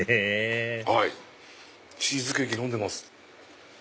はいチーズケーキ飲んでます。